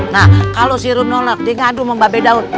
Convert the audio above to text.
nah kalo si rum nolak dia ngadu sama mbak bedaun